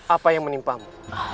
apa yang menimpamu